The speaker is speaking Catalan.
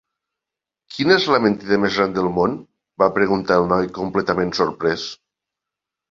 "Quina és la mentida més gran del món?", va preguntar el noi completament sorprès.